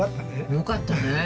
よかったね。